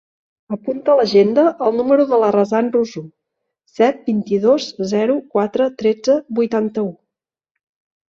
Apunta a l'agenda el número de la Razan Rusu: set, vint-i-dos, zero, quatre, tretze, vuitanta-u.